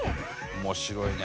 面白いね。